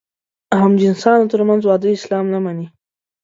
همجنسانو تر منځ واده اسلام نه مني.